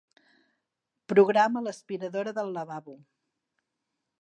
Programa l'aspiradora del lavabo.